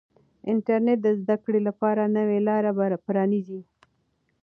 انټرنیټ د زده کړې لپاره نوې لارې پرانیزي.